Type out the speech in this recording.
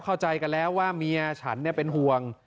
เข้าใจกันแล้วว่าเมียฉันเป็นห่วง